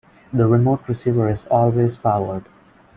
The remote receiver is always powered.